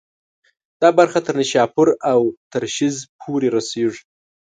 دا برخه تر نیشاپور او ترشیز پورې رسېږي.